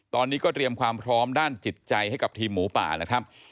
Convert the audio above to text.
ตอนนี้ก็เตรียมความพร้อมด้านจิตใจให้กับทีมหมูป่านะครับ